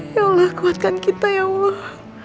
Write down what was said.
ya allah kuatkan kita ya allah